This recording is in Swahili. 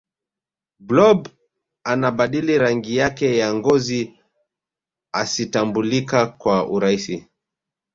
blob anabadili rangi yake ya ngozi asitambulika kwa urahisi